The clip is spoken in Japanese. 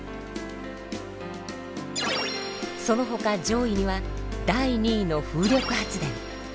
そのほか上位には第２位の「風力発電」